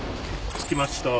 着きました。